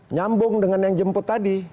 nyambung dengan yang jemput tadi